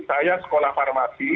saya sekolah farmasi